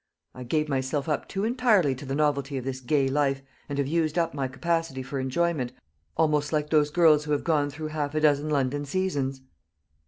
"I gave myself up too entirely to the novelty of this gay life, and have used up my capacity for enjoyment, almost like those girls who have gone through half a dozen London seasons."